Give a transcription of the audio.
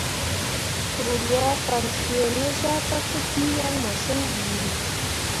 Ruu lwaa fan fẽẽ ne zah pǝkǝpii yaŋ masǝŋ buuru.